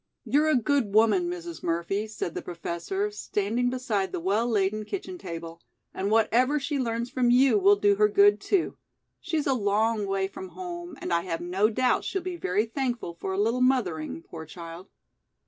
"You're a good woman, Mrs. Murphy," said the Professor, standing beside the well laden kitchen table, "and whatever she learns from you will do her good, too. She's a long way from home and I have no doubt she'll be very thankful for a little mothering, poor child."